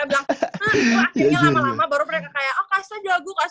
hah itu akhirnya lama lama baru mereka kayak oh kak sita jago kak sita jago